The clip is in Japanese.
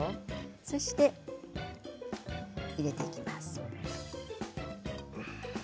そして入れていきます。